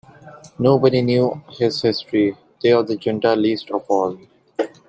Nobody knew his history, they of the Junta least of all.